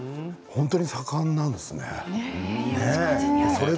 本当に盛んなんですね